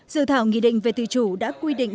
dự thảo nghị định về tự chủ đã quy định